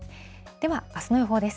では、あすの予報です。